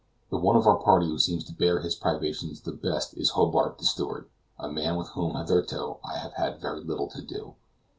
The one of our party who seems to bear his privations the best is Hobart the steward, a man with whom hitherto I have had very little to do.